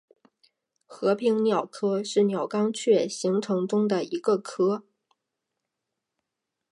和平鸟科是鸟纲雀形目中的一个科。